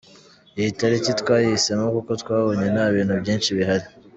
Iyi tariki twayihisemo kuko twabonye nta bintu byinshi bihari.